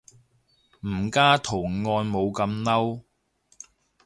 唔加圖案冇咁嬲